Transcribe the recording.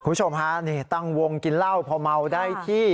คุณผู้ชมฮะนี่ตั้งวงกินเหล้าพอเมาได้ที่